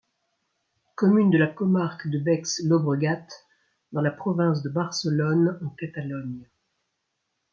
Commune de la comarque de Baix Llobregat dans la province de Barcelone en Catalogne.